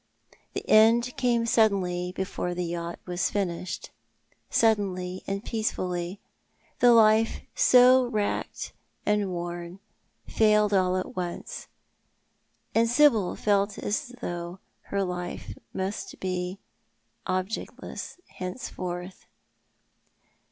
The end came suddenly before the yacht was finished — sinldenly and peacefully. The life so racked and worn failed all at once; and Sibyl felt as if her life must bo objectless lienceforth.